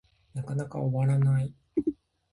なかなか終わらない